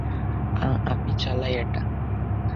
আ-আমি চালাই এটা।